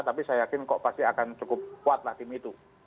tapi saya yakin kok pasti akan cukup kuat lah tim itu